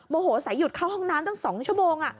โหสายหยุดเข้าห้องน้ำตั้ง๒ชั่วโมง